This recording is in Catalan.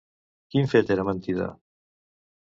Quin fet era mentida?